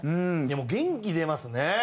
でも元気出ますね！